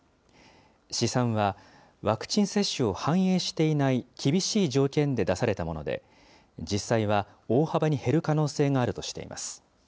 試算はワクチン接種を反映していない厳しい条件で出されたもので、実際は大幅に減る可能性があるとしています。